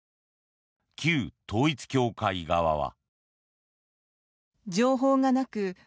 旧統一教会側は。